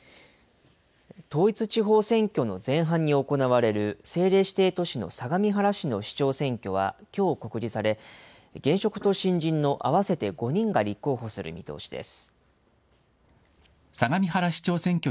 統一地方選挙の前半に行われる政令指定都市の相模原市の市長選挙はきょう告示され、現職と新人の合わせて５人が立候補する見通しです。